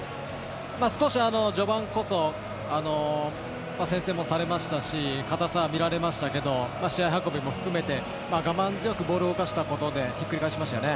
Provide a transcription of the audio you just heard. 少し序盤こそ先制もされましたしかたさ、見られましたけど試合運びも含めて我慢強くボールを動かしたことでひっくり返しましたね。